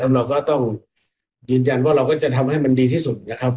เราก็ต้องยืนยันว่าเราก็จะทำให้มันดีที่สุดนะครับ